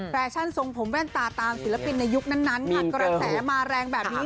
แฟชั่นทรงผมแว่นตาตามศิลปินในยุคนั้นค่ะกระแสมาแรงแบบนี้